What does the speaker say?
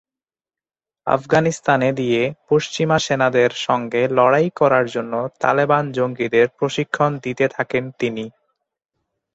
আফগানিস্তানে গিয়ে পশ্চিমা সেনাদের সঙ্গে লড়াই করার জন্য তালেবান জঙ্গিদের প্রশিক্ষণ দিতে থাকেন তিনি।